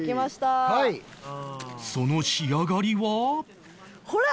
その仕上がりは？